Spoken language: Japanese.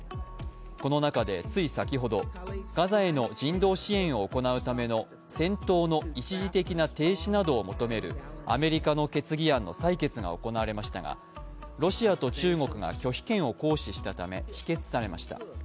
この中でつい先ほど、ガザへの人道支援を行うための戦闘の一時的な停止などを求めるアメリカの決議案の採決が行われましたが、ロシアと中国が拒否権を行使したため、否決されました。